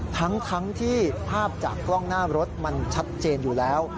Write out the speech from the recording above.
ทั้งที่ภาพจากกล้องหน้ารถมันชัดเจนอยู่แล้ว